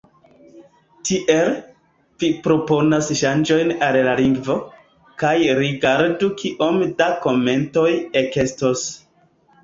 Tiel, vi proponas ŝanĝojn al la lingvo, kaj rigardu kiom da komentoj ekestos.